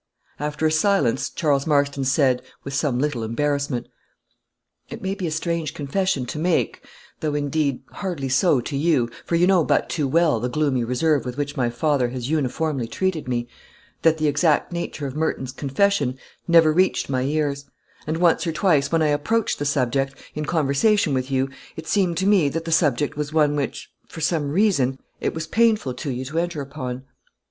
After a silence, Charles Marston said, with some little embarrassment "It may be a strange confession to make, though, indeed, hardly so to you for you know but too well the gloomy reserve with which my father has uniformly treated me that the exact nature of Merton's confession never reached my ears; and once or twice, when I approached the subject, in conversation with you, it seemed to me that the subject was one which, for some reason, it was painful to you to enter upon."